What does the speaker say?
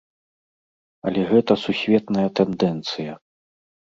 Але гэта сусветная тэндэнцыя.